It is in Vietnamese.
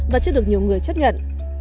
và chưa được nhiều người chất nhận